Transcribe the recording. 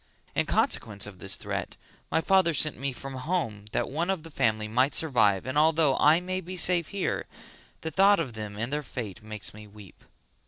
In consequence of this threat my father sent me from home that one of the family might survive and although I may be safe here the thought of them and their fate makes me weep."